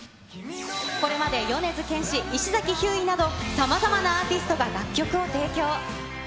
これまで米津玄師、石崎ひゅーいなど、さまざまなアーティストが楽曲を提供。